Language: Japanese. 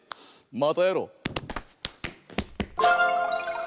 またやろう！